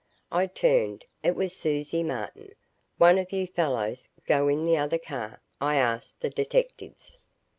I turned. It was Susie Martin. "One of you fellows, go in the other car," I asked the detectives.